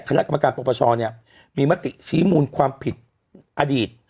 คณะกรรมการปรปชเนี่ยมีมติชี้มูลความผิดอดีต